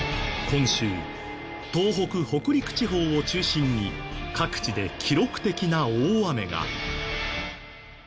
今週東北・北陸地方を中心に各地で記録的な大雨が。